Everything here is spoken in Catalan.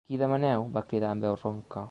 Qui demaneu? –va cridar amb veu ronca.